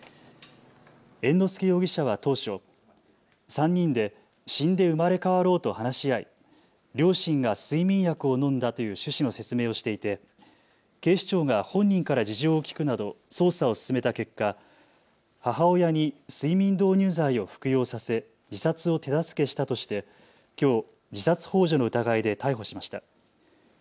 猿之助容疑者は当初、３人で死んで生まれ変わろうと話し合い両親が睡眠薬を飲んだという趣旨の説明をしていて警視庁が本人から事情を聴くなど捜査を進めた結果、母親に睡眠導入剤を服用させ自殺を手助けしたとして、きょう自殺ほう助の疑いで逮捕しました。